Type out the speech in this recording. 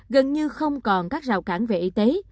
gần như không còn các rào cản về y tế